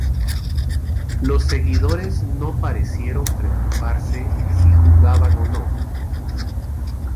Los seguidores no parecieron preocuparse si jugaba o no.